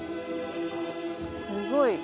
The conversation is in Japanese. すごい。